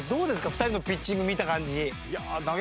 ２人のピッチング見た感じ。